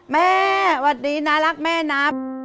แม่วัดดีนะรักแม่นะ